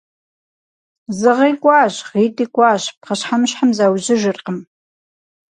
Зы гъи кӀуащ, гъитӀи кӀуащ – пхъэщхьэмыщхьэм заужьыжыркъым.